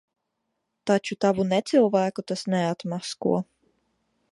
Taču tavu necilvēku tas neatmasko.